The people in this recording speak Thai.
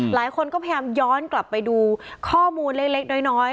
หลายคนก็พยายามย้อนกลับไปดูข้อมูลเล็กน้อย